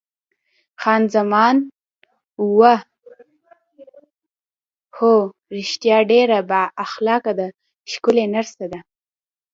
خان زمان: اوه هو، رښتیا ډېره با اخلاقه ده، ښکلې نرسه ده.